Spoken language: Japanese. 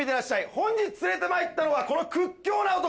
本日連れてまいったのはこの屈強な男。